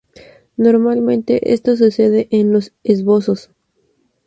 Normalmente esto sucede en los esbozos.